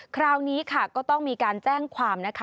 คราวนี้ค่ะก็ต้องมีการแจ้งความนะคะ